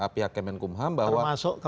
pihak kemenkumham bahwa